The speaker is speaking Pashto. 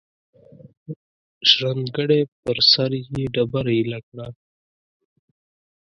ژرندګړی پر سر یې ډبره ایله کړه.